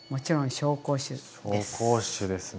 紹興酒ですね。